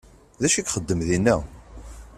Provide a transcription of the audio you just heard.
D acu ixeddem dinna?